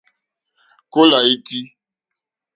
Kólà ítí.